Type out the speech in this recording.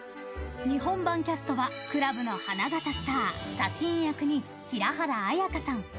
日本版キャストはクラブの花形スターサティーン役に平原綾香さん